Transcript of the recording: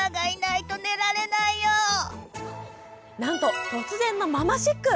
なんと突然のママシック！